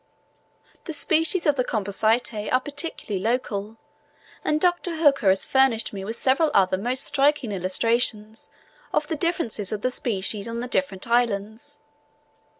The species of the Compositae are particularly local; and Dr. Hooker has furnished me with several other most striking illustrations of the difference of the species on the different islands.